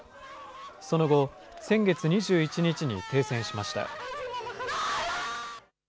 その後、先月２１日に停戦しました。